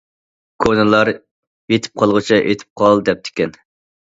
كونىلار‹‹ يېتىپ قالغۇچە، ئېتىپ قال›› دەپتىكەن.